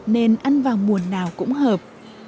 nên ăn vào mùa nào cũng hợp